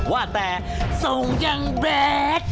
ว่าแต่ส่งยังแบก